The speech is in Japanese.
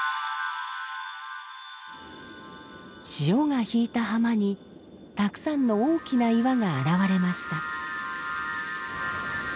潮が引いた浜にたくさんの大きな岩が現れました。